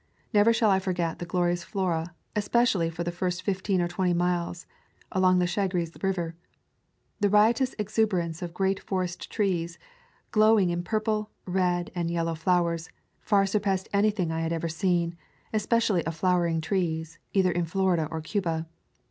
Never shall I forget the glorious flora, especially for the first fifteen or twenty miles along the Chagres River. The riotous exuberance of great forest trees, glowing in purple, red, and yellow flow ers, far surpassed anything. I had ever seen, especially of flowering trees, either in Florida or Cuba.